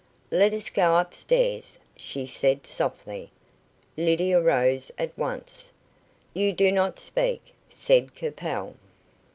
"Let us go up stairs," she said softly. Lydia rose at once. "You do not speak," said Capel.